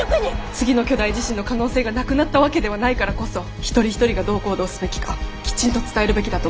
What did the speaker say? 次の巨大地震の可能性がなくなったわけではないからこそ一人一人がどう行動すべきかきちんと伝えるべきだと思います。